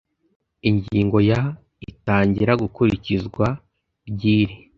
Ingingo ya Itangira gukurikizwa ry iri